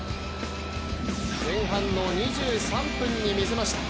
前半の２３分に見せました。